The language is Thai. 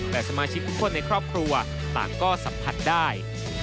แต่สมาชิกทุกคนในครอบครัวต่างก็สัมผัสได้